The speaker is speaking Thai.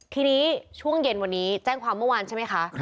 ทีนี้ช่วงเย็นวันนี้แจ้งความเมื่อวานใช่ไหมคะ